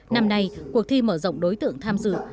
năm nay cuộc thi mở rộng đối tượng tham dự